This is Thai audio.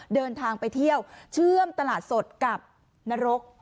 เดินทางไปเที่ยวเชื่อมตลาดสดกับนรก